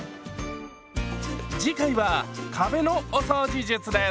次回は壁のお掃除術です。